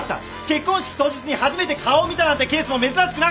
結婚式当日に初めて顔を見たなんてケースも珍しくなかった。